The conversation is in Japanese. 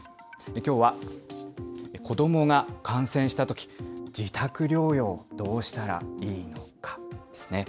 きょうは、子どもが感染したとき、自宅療養どうしたらいいのかですね。